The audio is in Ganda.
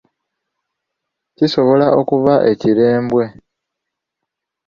Kisobola okuba ekirembwe.